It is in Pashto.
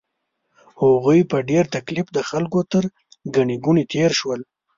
هغوی په ډېر تکلیف د خلکو تر ګڼې ګوڼې تېر شول.